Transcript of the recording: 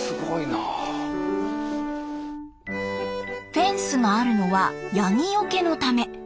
フェンスがあるのはヤギよけのため。